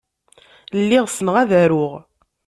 Lliɣ ssneɣ ad aruɣ.